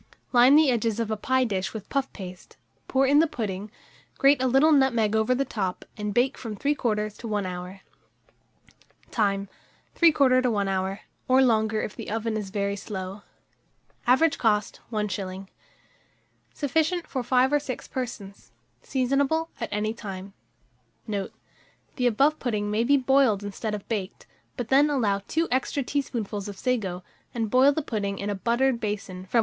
Line the edges of a pie dish with puff paste, pour in the pudding, grate a little nutmeg over the top, and bake from 3/4 to 1 hour. Time. 3/4 to 1 hour, or longer if the oven is very slow. Average cost, 1s. Sufficient for 5 or 6 persons. Seasonable at any time. Note. The above pudding may be boiled instead of baked; but then allow 2 extra tablespoonfuls of sago, and boil the pudding in a buttered basin from 1 1/4 to 1 3/4 hour.